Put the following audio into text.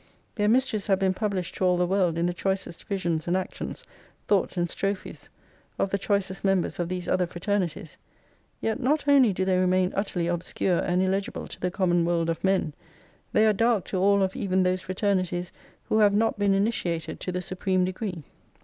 Their mysteries have been published to all the world in the choicest visions and actions, thoughts and strophes, of the choicest members of these other fraternities ; yet not only do they remain utterly obscure and illegible to the common world of men, they are dark to all of even those fraternities who have not been initiated to the supreme degree."